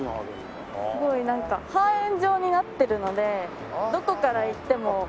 すごいなんか半円状になってるのでどこから行ってもこう。